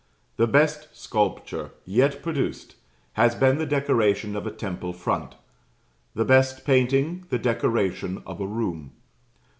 The best sculpture yet produced has been the decoration of a temple front the best painting, the decoration of a room.